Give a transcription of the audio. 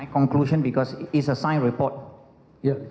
ya itu adalah kesimpulan saya